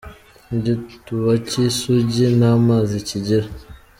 igituba cy'isugi ntamazi kigira